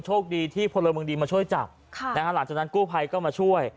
โชคดีที่พลเมืองดีมาช่วยจับหลังจากนั้นกู้ภัยก็มาช่วย